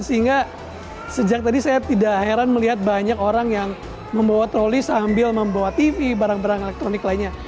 sehingga sejak tadi saya tidak heran melihat banyak orang yang membawa troli sambil membawa tv barang barang elektronik lainnya